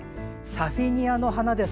サフィニアの花です。